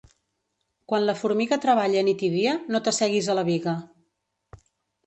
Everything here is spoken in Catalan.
Quan la formiga treballa nit i dia, no t'asseguis a la biga.